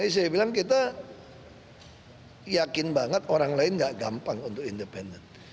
saya bilang kita yakin banget orang lain gak gampang untuk independen